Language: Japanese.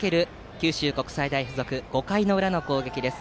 九州国際大付属５回の裏の攻撃です。